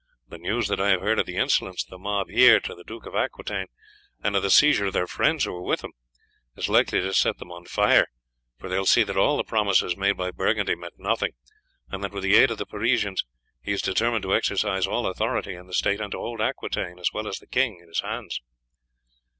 The news that I have heard of the insolence of the mob here to the Duke of Aquitaine, and of the seizure of their friends who were with him, is like to set them on fire, for they will see that all the promises made by Burgundy meant nothing, and that, with the aid of the Parisians, he is determined to exercise all authority in the state, and to hold Aquitaine as well as the king in his hands."